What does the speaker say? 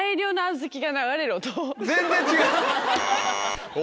全然違う！